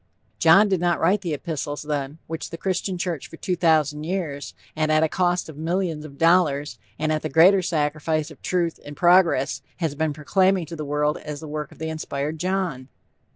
John did not write the epistles, then, which the Christian church for two thousand years, and at a cost of millions of dollars, and at the greater sacrifice of truth and progress has been proclaiming to the world as the work of the inspired John!